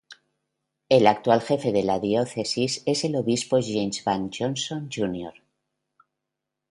El actual jefe de la Diócesis es el Obispo James Vann Johnston, Jr..